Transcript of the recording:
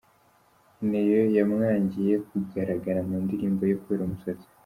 Neyo yamwangiye kugaragara mu ndirimbo ye kubera umusatsi